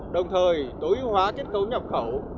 đồng thời tối ưu hóa kết cấu nhập khẩu